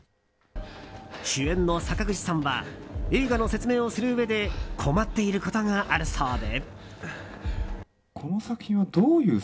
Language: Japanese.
主演の坂口さんは映画の説明をするうえで困っていることがあるそうで。